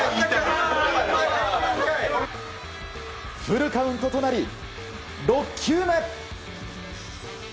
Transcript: フルカウントとなり６球目。